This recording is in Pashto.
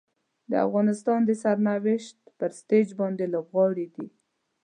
د افغانستان د سرنوشت پر سټیج باندې لوبغاړي دي.